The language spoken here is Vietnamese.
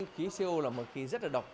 khí co là một khí rất độc